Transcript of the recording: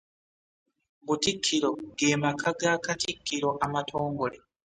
Butikkiro ge maka ga Katikkiro amatongole.